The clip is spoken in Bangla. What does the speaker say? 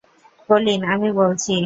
কলিন, আমি বলছি।